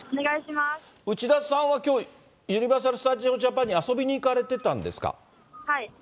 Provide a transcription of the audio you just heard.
うちださんはきょう、ユニバーサル・スタジオ・ジャパンに遊びに行かれてたんですか？